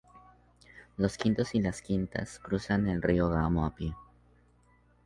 Los quintos y quintas cruzan el río Gamo a pie.